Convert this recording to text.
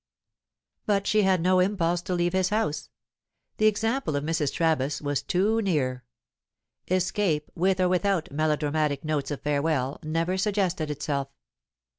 But she had no impulse to leave his house. The example of Mrs. Travis was too near. Escape, with or without melodramatic notes of farewell, never suggested itself.